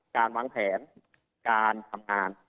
การวางแผนการทำงาน